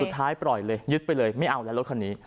ปล่อยเลยยึดไปเลยไม่เอาแล้วรถคันนี้